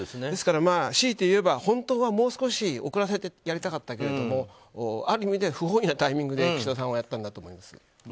ですから、しいて言えば本当はもう少し遅らせてやりたかったけれどもある意味で不本意なタイミングで岸田さんはやったんだと思います。